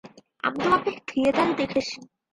আমি তোমাকে থিয়েটারে দেখেছি।